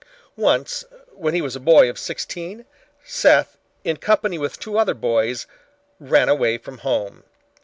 Once when he was a boy of sixteen, Seth in company with two other boys ran away from home.